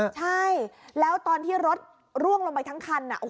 ใช่แล้วตอนที่รถร่วงลงไปทั้งคัน